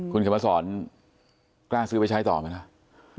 คุณขมสรกล้าซื้อไปใช้ต่อไหมครับ